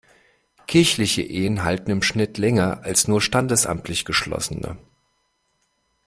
Kirchliche Ehen halten im Schnitt länger als nur standesamtlich geschlossene.